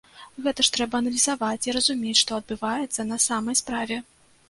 Гэта ж трэба аналізаваць і разумець, што адбываецца на самай справе.